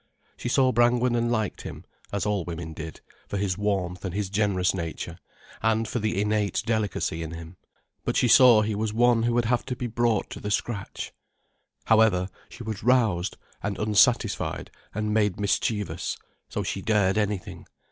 She saw Brangwen and liked him, as all women did, for his warmth and his generous nature, and for the innate delicacy in him. But she saw he was one who would have to be brought to the scratch. However, she was roused and unsatisfied and made mischievous, so she dared anything.